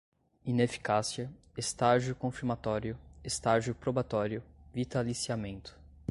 ineficácia, estágio confirmatório, estágio probatório, vitaliciamento